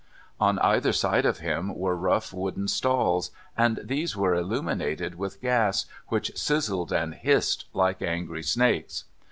On either side of him were rough, wooden stalls, and these were illuminated with gas, which sizzled and hissed like angry snakes.